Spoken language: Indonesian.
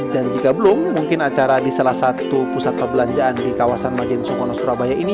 dan jika belum mungkin acara di salah satu pusat perbelanjaan di kawasan majen sungkolo surabaya ini